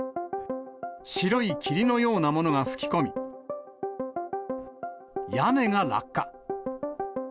白い霧のようなものが吹き込み、屋根が落下。